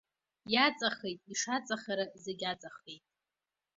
Иаҵахеит, ишаҵахара зегь аҵахеит.